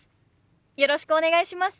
よろしくお願いします。